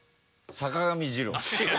坂上二郎。